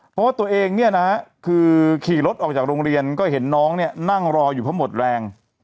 เพราะว่าตัวเองเนี่ยนะคือขี่รถออกจากโรงเรียนก็เห็นน้องเนี่ยนั่งรออยู่เพราะหมดแรง